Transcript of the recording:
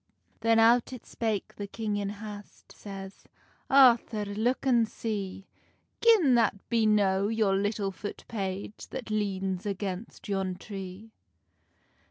Then out it spake the king in hast, Says, "Arthur look an see Gin that be no your little foot page That leans against yon tree."